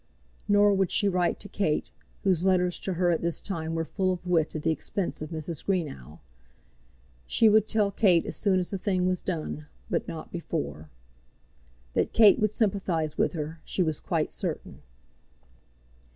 Nor would she write to Kate, whose letters to her at this time were full of wit at the expense of Mrs. Greenow. She would tell Kate as soon as the thing was done, but not before. That Kate would sympathize with her, she was quite certain.